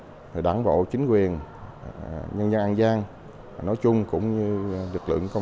trong thời gian vừa qua đảng bộ chính quyền nhân dân an giang nói chung cũng như lực lượng công